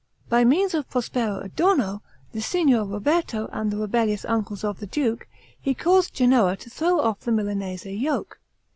By means of Prospero Adorno, the Signor Roberto, and the rebellious uncles of the duke, he caused Genoa to throw off the Milanese yoke.